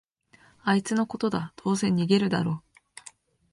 あいつのことだ、どうせ逃げるだろ